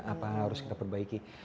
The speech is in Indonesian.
apa harus kita perbaiki